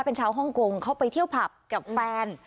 เป็นชาวฮ่องกงเขาไปเที่ยวผับกับแฟน